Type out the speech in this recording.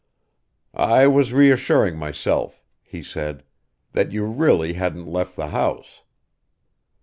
"I was reassuring myself," he said, "that you really hadn't left the house."